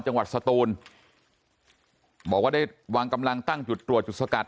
สตูนบอกว่าได้วางกำลังตั้งจุดตรวจจุดสกัด